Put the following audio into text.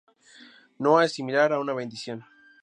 Noa es similar a una bendición.